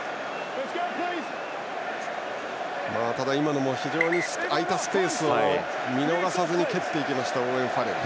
ただ今のも空いたスペースを見逃さずに蹴っていきましたオーウェン・ファレル。